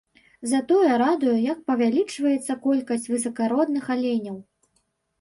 Затое радуе, як павялічваецца колькасць высакародных аленяў.